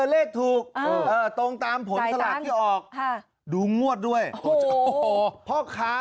เลขถูกเออตรงตามผลตลาดที่ออกค่ะดูงวดด้วยโอ้โหพอขา